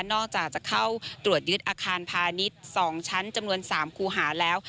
อกจากจะเข้าตรวจยึดอาคารพาณิชย์๒ชั้นจำนวน๓คูหาแล้ว